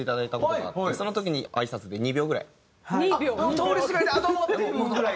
通りすがりで「あっどうも」っていうぐらい？